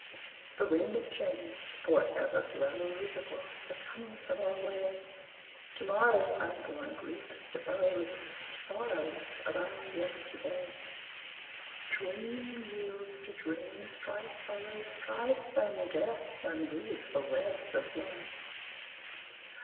The wind of change for ever blows Across the tumult of our way, To morrow's unborn griefs depose The sorrows of our yesterday. Dream yields to dream, strife follows strife, And Death unweaves the webs of Life.